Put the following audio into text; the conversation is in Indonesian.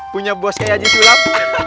punya bos kayak yajin sulam